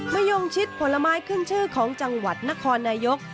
ยงชิดผลไม้ขึ้นชื่อของจังหวัดนครนายก